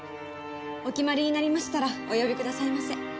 お決まりになりましたらお呼びくださいませ。